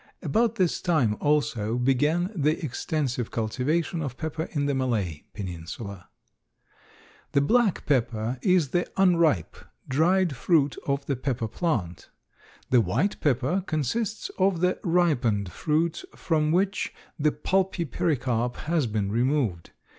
About this time, also, began the extensive cultivation of pepper in the Malay peninsula. The black pepper is the unripe, dried fruit of the pepper plant. The white pepper consists of the ripened fruits from which the pulpy pericarp has been removed.